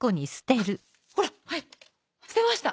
ほらはい捨てました。